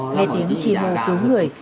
nghe tiếng chì hồ cứu người